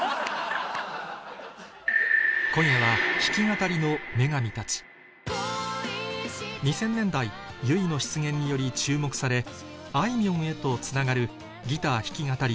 今夜は２０００年代ＹＵＩの出現により注目されあいみょんへとつながるギター弾き語り